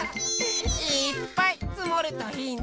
いっぱいつもるといいね。